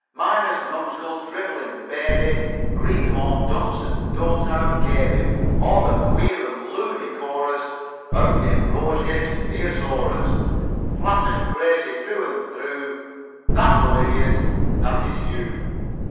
Minus, numskull, drivelling baby, Greenhorn, dunce, and dotard Gaby; All the queer and loony chorus Found in old Roget's Thesaurus, Flat and crazy through and through, That, O Idiot that is you.